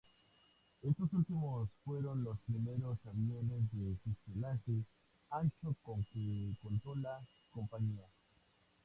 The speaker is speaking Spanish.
Estos últimos fueron los primeros aviones de fuselaje ancho con que contó la compañía.